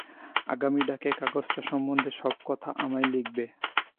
আগামী ডাকে কাগজটা সম্বন্ধে সব কথা আমায় লিখবে।